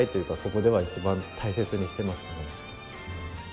ここでは一番大切にしてますね。